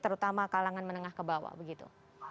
terutama kalangan menengah ke bawah begitu